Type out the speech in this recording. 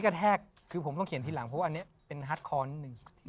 แทกคือผมต้องเขียนทีหลังเพราะว่าอันนี้เป็นฮัตคอร์นิดนึง